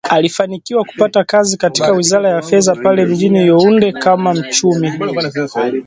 Alifanikiwa kupata kazi katika Wizara ya Fedha pale mjini Yaounde kama Mchumi